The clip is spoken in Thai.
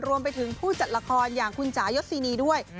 รวมไปถึงผู้จัดละครอย่างคุณจ่ายศินีด้วย